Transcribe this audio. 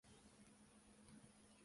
常識はまず日常的な知識であった。